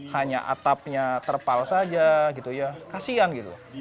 hanya atapnya terpal saja gitu ya kasian gitu loh